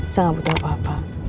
saya nggak butuh apa apa